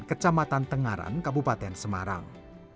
kecamatan tengaran kabupaten semarang